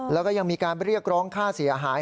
แล้วก็ยังมีการเรียกร้องค่าเสียหาย